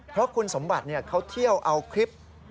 เพราะคุณสมบัติเขาเที่ยวเอาคลิป